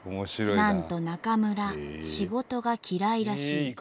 なんとナカムラ仕事が嫌いらしい。